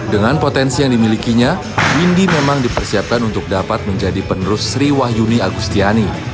dengan potensi yang dimilikinya windy memang dipersiapkan untuk dapat menjadi penerus sri wahyuni agustiani